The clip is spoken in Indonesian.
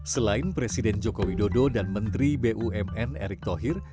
selain presiden jokowi dodo dan menteri bumn erick thohir